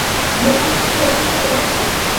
বললাম না সোরিয়ান সেটা করে ফেলেছে।